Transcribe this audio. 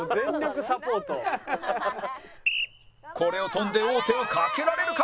これを跳んで王手をかけられるか？